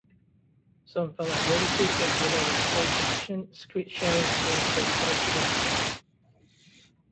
Some vulnerabilities of related "space efficient" secret sharing schemes were pointed out later.